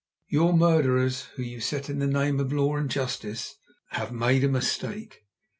"Your murderers whom you set on in the name of law and justice have made a mistake.